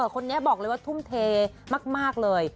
คนนี้บอกเลยว่าทุ่มเทมากเลย